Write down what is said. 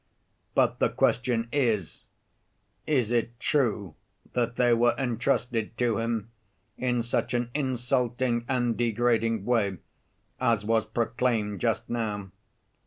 But the question is: is it true that they were entrusted to him in such an insulting and degrading way as was proclaimed just now?